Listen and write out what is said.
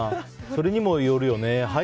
それにもよるよね。